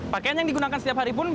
pakaian yang digunakan setiap hari pun